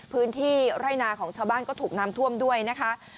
พื้นที่ไร่นาของชาวบ้านก็ถูกน้ำท่วมด้วยนะคะ